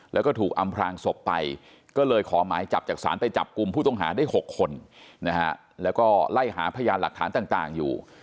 แล้วก็ถูกอำพลางศพไปก็เลยขอหมายจับจากศาลไปจับกลุ่มผู้ต้องหาได้๖คนนะฮะแล้วก็ไล่หาพยานหลักฐานต่างอยู่